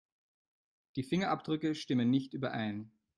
Die Fingerabdrücke stimmen nicht überein.